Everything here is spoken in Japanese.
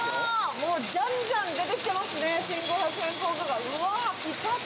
もうじゃんじゃん出てきてますね。